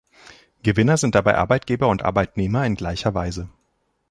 Gewinner sind dabei Arbeitgeber und Arbeitnehmer in gleicher Weise.